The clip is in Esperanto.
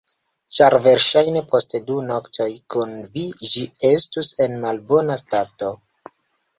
Ĉar verŝajne post du noktoj kun vi ĝi estus en malbona stato.